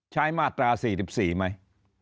ใช้มาตรา๔๔ไหม